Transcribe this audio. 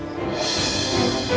tidak ada bunda